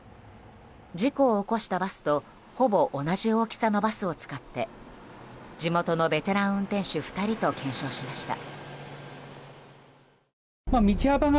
事故を起こしたバスとほぼ同じ大きさのバスを使って地元のベテラン運転手２人と検証しました。